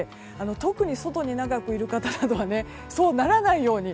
特に外に長くいる方はそうならないように。